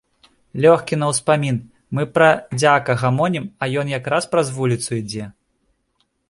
Лёгкі на ўспамін, мы пра дзяка гамонім, а ён якраз праз вуліцу ідзе.